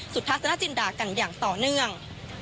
ทัศนจินดากันอย่างต่อเนื่อง